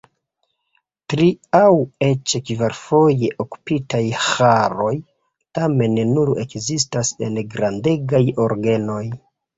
Tri- aŭ eĉ kvarfoje okupitaj ĥoroj tamen nur ekzistas en grandegaj orgenoj.